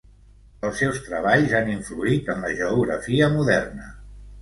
Els seus treballs han influït en la geografia moderna.